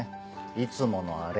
いつものあれ。